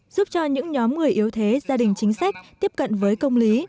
giúp cho những nhóm người yếu thế gia đình chính sách tiếp cận với công lý